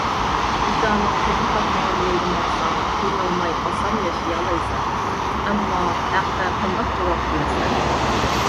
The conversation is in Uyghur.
ۋىجدانىڭ توغرا تاپمىغان يولدا ماڭساڭ قىينالماي ئاسان ياشىيالايسەن. ئەمما ھەققە قانداق جاۋاب قىلىسەن؟